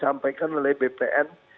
sampai sekarang bpn